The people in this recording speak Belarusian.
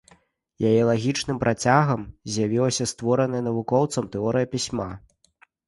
Яе лагічным працягам з'явілася створаная навукоўцам тэорыя пісьма.